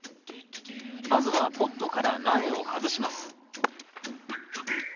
まずはポットから苗を外します